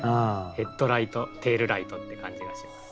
ヘッドライトテールライトって感じがします。